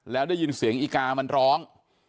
แล้วได้ยินเสียงอีกามันร้อง